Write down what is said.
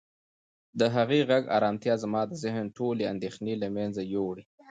د هغې د غږ ارامتیا زما د ذهن ټولې اندېښنې له منځه یووړې.